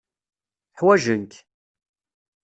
Ḥwajen-k.